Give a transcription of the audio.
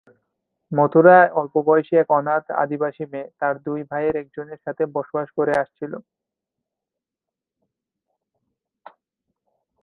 মথুরা অল্পবয়সী এক অনাথ "আদিবাসী" মেয়ে, তার দুই ভাইয়ের একজনের সাথে বসবাস করে আসছিল।